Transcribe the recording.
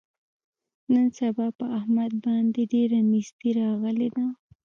نن سبا په احمد باندې ډېره نیستي راغلې ده.